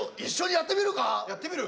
やってみる？